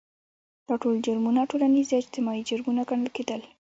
دا ټول جرمونه ټولنیز یا اجتماعي جرمونه ګڼل کېدل.